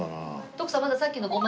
徳さんまださっきの胡麻